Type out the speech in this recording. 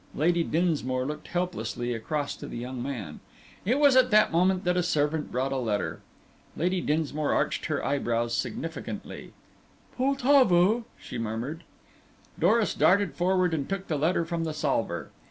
Lady Dinsmore looked helplessly across to the young man. It was at that moment that a servant brought a letter. Lady Dinsmore arched her eyebrows significantly. "Poltavo!" she murmured. Doris darted forward and took the letter from the salver.